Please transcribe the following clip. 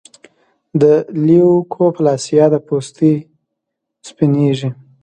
د لیوکوپلاسیا د پوستې سپینېږي.